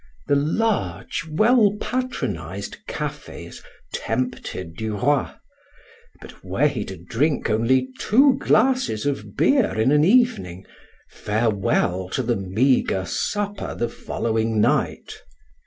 The large, well patronized cafes tempted Duroy, but were he to drink only two glasses of beer in an evening, farewell to the meager supper the following night!